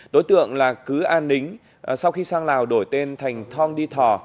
đối tượng là cứ an nính sau khi sang lào đổi tên thành thong di thò